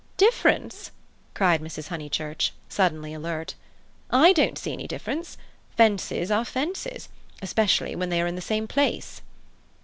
"Difference?" cried Mrs. Honeychurch, suddenly alert. "I don't see any difference. Fences are fences, especially when they are in the same place."